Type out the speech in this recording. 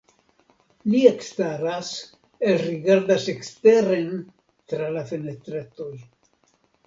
Li ekstaras, elrigardas eksteren tra la fenestretoj.